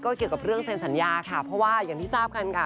เกี่ยวกับเรื่องเซ็นสัญญาค่ะเพราะว่าอย่างที่ทราบกันค่ะ